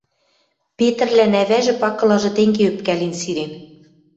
Петрлӓн ӓвӓжӹ пакылажы тенге ӧпкӓлен сирен: